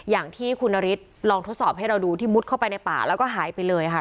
อย่างที่คุณนฤทธิลองทดสอบให้เราดูที่มุดเข้าไปในป่าแล้วก็หายไปเลยค่ะ